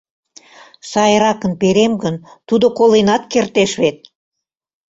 Сайракын перем гын, тудо коленат кертеш вет.